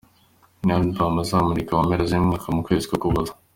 Ni album azamurika mu mpera z’uyu mwaka , mu kwezi k’Ukuboza.